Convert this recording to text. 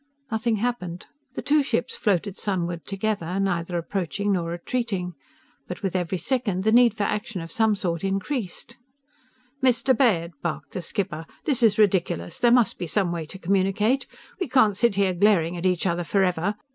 _" Nothing happened. The two ships floated sunward together, neither approaching nor retreating. But with every second, the need for action of some sort increased. "Mr. Baird!" barked the skipper. "_This is ridiculous! There must be some way to communicate! We can't sit here glaring at each other forever!